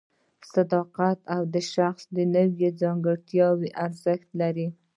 صداقت او د شخص نورې ځانګړتیاوې ارزښت لري.